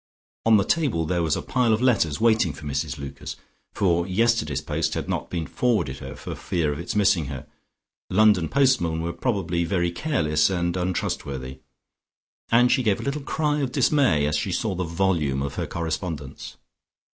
On the table there was a pile of letters waiting for Mrs Lucas, for yesterday's post had not been forwarded her, for fear of its missing her London postmen were probably very careless and untrustworthy and she gave a little cry of dismay as she saw the volume of her correspondence.